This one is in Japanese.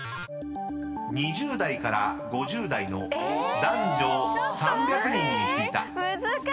［２０代から５０代の男女３００人に聞いた］